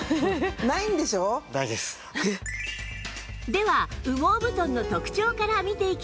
では羽毛布団の特長から見ていきましょう